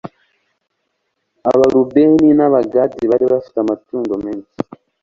abarubeni n abagadi bari bafite amatungo menshi